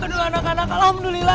aduh anak anak alhamdulillah